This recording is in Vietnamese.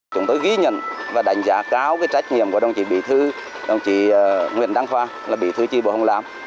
chúng tôi ghi nhận và đánh giá cao cái trách nhiệm của đồng chí bí thư đồng chí nguyễn đăng khoa là bí thư chi bộ hồng lam